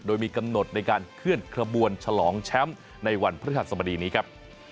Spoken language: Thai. โดยมีกำหนดในการเคลื่อนขบวนฉลองแชมป์ในวันพฤหัสบดีนี้ครับ